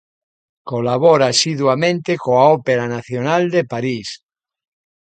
Colabora asiduamente coa Ópera Nacional de París.